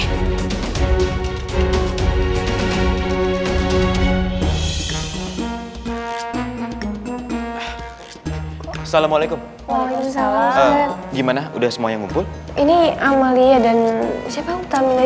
assalamualaikum gimana udah semuanya ngumpul ini amalia dan siapa utamina